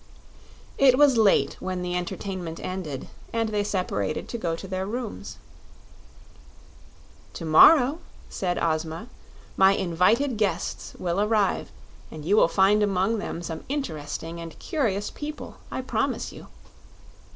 It was late when the entertainment ended, and they separated to go to their rooms. "To morrow," said Ozma, "my invited guests will arrive, and you will find among them some interesting and curious people, I promise you.